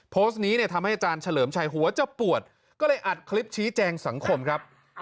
โพสต์นี้เนี่ยทำให้อาจารย์เฉลิมชัยหัวจะปวดก็เลยอัดคลิปชี้แจงสังคมครับ